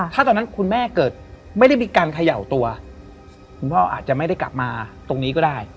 ถ้าตอนนั้นคุณแม่เกิดไม่ได้มีการเขย่าตัวคุณพ่ออาจจะไม่ได้กลับมาตรงนี้ก็ได้